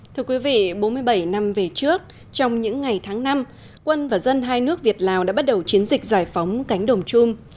thưa quý vị bốn mươi bảy năm về trước trong những ngày tháng năm quân và dân hai nước việt lào đã bắt đầu chiến dịch giải phóng cánh đồng chung